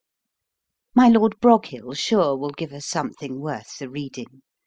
My Lord Broghill, sure, will give us something worth the reading.